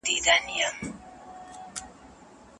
که اقتصادي شرايط برابر نه وي، پرمختګ نه سي کېدای.